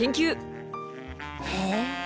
へえ。